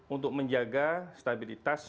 untuk menjaga stabilitas